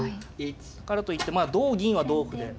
だからといってまあ同銀は同歩で。